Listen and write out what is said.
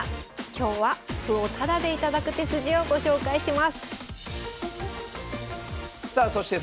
今日は歩をタダで頂く手筋をご紹介しますさあそして